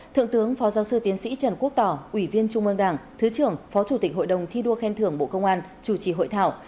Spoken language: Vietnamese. thượng tướng phó giáo sư tiến sĩ trần quốc tỏ ủy viên trung ương đảng thứ trưởng phó chủ tịch hội đồng thi đua khen thưởng bộ công an chủ trì hội thảo